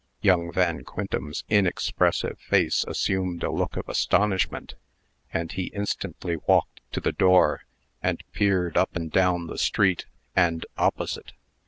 Young Van Quintem's inexpressive face assumed a look of astonishment, and he instantly walked to the door, and peered up and down the street, and opposite.